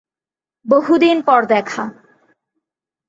বহুদিন পর দেখা।